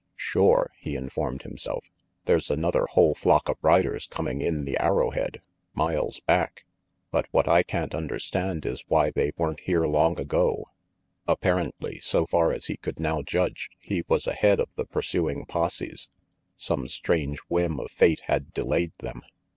"Shore," he informed himself, "there's another whole flock of riders coming in the Arrowhead, miles back! But what I can't understand is why they weren't here long ago." Apparently, so far as he could now judge, he was ahead of the pursuing posses. Some strange whim of fate had delayed them.